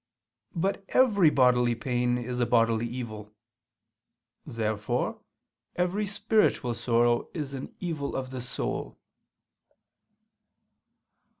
But every bodily pain is a bodily evil. Therefore every spiritual sorrow is an evil of the soul.